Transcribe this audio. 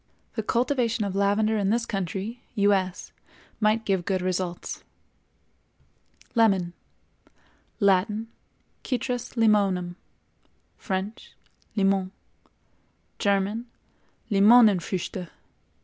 The cultivation of lavender in this country (U. S.) might give good results. LEMON. Latin—Citrus Limonum; French—Limon; German—Limonenfrüchte.